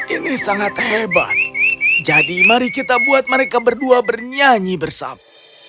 ini sangat hebat jadi mari kita buat mereka berdua bernyanyi bersama